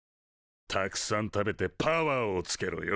たくさん食べてパワーをつけろよ。